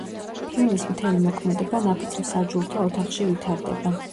ფილმის მთელი მოქმედება ნაფიც მსაჯულთა ოთახში ვითარდება.